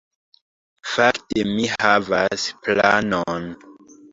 Fakte, mi havas planon